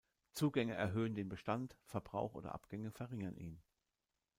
Zugänge erhöhen den Bestand, Verbrauch oder Abgänge verringern ihn.